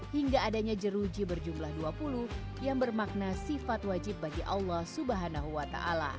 hingga adanya jeruji berjumlah dua puluh yang bermakna sifat wajib bagi allah swt